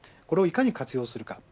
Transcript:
これをいかに活用するか。